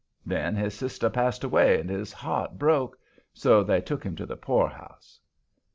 Then his sister passed away and his heart broke; so they took him to the poorhouse.